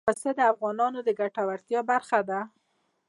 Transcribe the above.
پسه د افغانانو د ګټورتیا برخه ده.